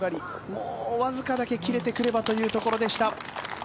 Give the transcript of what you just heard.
もうわずかだけ切れてくればというところでした。